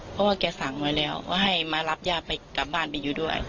เพราะว่าแกสั่งไว้แล้วว่าให้มารับย่าไปกลับบ้านไปอยู่ด้วย